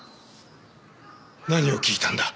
何を聞いたんだ？